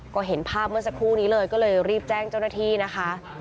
ก็เห็นภาพเมื่อสักครู่นี้เลยก็เลยรีบแจ้งเจ้าหน้าที่นะคะ